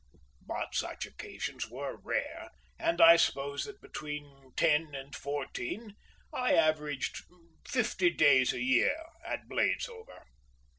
But such occasions were rare, and I suppose that between ten and fourteen I averaged fifty days a year at Bladesover.